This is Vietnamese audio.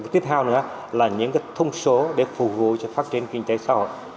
tiếp theo nữa là những thông số để phục vụ cho phát triển kinh tế xã hội